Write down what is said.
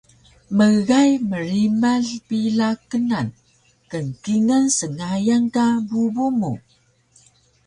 Mgay mrimal pila knan kngkingal sngayan ka bubu mu